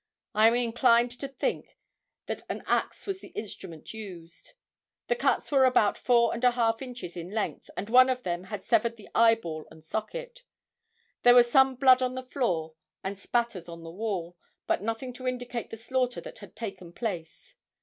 I am inclined to think that an axe was the instrument used. The cuts were about four and a half inches in length and one of them had severed the eye ball and socket. There was some blood on the floor and spatters on the wall, but nothing to indicate the slaughter that had taken place.